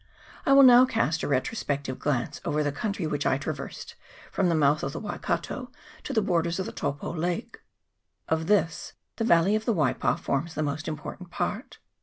I will now cast a retrospective glance over the country which I traversed, from the mouth of the Waikato to the borders of the Taupo lake. Of this the valley of the Waipa forms the most important part.